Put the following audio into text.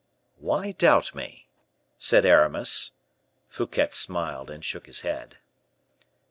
"Why doubt me?" said Aramis. Fouquet smiled and shook his head.